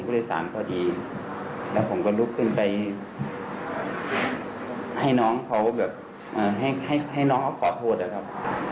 ตอนที่คุณอนุทิศมุ่งจากห่อคนข่าวเนี่ยรถจอดนิ่งแล้วใช่ไหมครับ